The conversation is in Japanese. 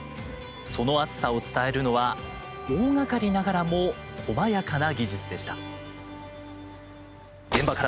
その熱さを伝えるのは大がかりながらもこまやかな技術でした。